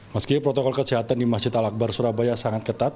meski protokol kesehatan di masjid al akbar surabaya sangat ketat